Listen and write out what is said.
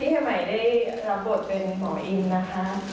ที่ให้หมายได้รับบทเป็นหมออิ่มนะคะ